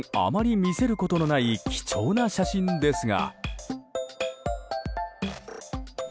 見せることのない貴重な写真ですが。